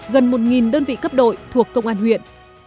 gần một đơn vị cấp đội thuộc công an huyện